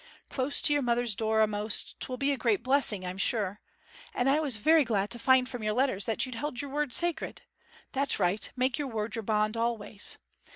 Close to your mother's door a'most, 'twill be a great blessing, I'm sure; and I was very glad to find from your letters that you'd held your word sacred. That's right make your word your bond always.